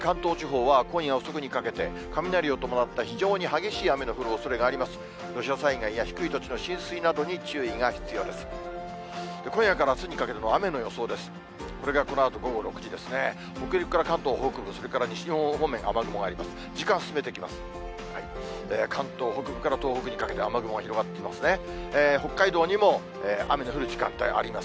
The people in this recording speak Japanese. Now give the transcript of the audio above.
これがこのあと午後６時ですね、北陸から関東北部、それから西日本方面雨雲があります。